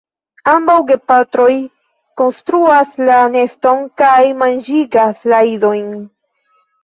Ambaŭ gepatroj konstruas la neston kaj manĝigas la idojn.